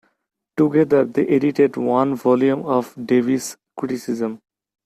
Together they edited one volume of Davies' criticism.